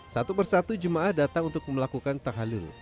satu persatu jemaah datang untuk melakukan tahalul